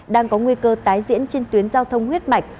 đang có nguy cơ tái diễn trên tuyến giao thông huyết mạch